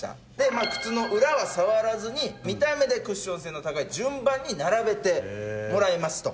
靴の裏は触らずに見た目でクッション性の高い順番に並べてもらいますと。